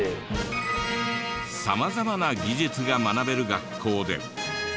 様々な技術が学べる学校で。